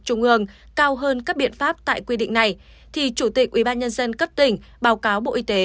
trung ương cao hơn các biện pháp tại quy định này thì chủ tịch ubnd cấp tỉnh báo cáo bộ y tế